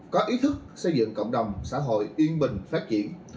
có ý thức xây dựng cộng đồng xã hội yên bình phát triển